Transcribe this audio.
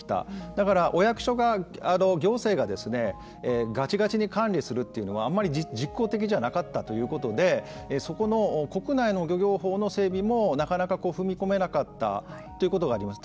だから、お役所が行政ががちがちに管理するというのはあんまり実効的じゃなかったということでそこの国内の漁業法の整備もなかなか踏み込めなかったということがあります。